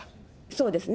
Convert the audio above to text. そうですね。